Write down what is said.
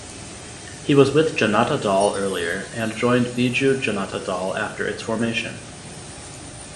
He was with Janata Dal earlier and joined Biju Janata Dal after its formation.